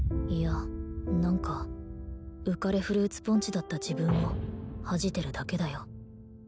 いや何か浮かれフルーツポンチだった自分を恥じてるだけだよ